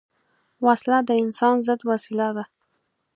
وسله د انسان ضد وسیله ده